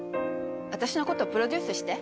私のことプロデュースして。